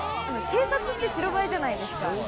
警察って白バイじゃないですか。